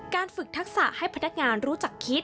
ฝึกทักษะให้พนักงานรู้จักคิด